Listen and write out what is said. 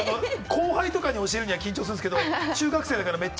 後輩とかに教えるには緊張するんですけれども、中学生だったから鬼だった。